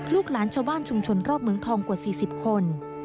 ลูกหลานชาวบ้านชุมชนรอบเมืองทองกว่า๔๐คน